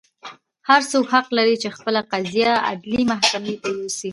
هر څوک حق لري چې خپله قضیه عدلي محکمې ته یوسي.